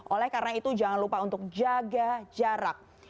oleh karena itu jangan lupa untuk jaga jarak